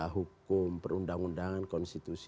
hukum perundang undangan konstitusi